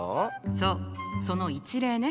そうその一例ね。